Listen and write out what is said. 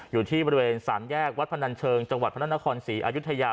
อยู่ที่บริเวณสามแยกวัดพนันเชิงจังหวัดพระนครศรีอายุทยา